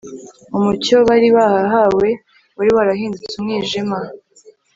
Umucyo bari barahawe wari warahindutse umwijima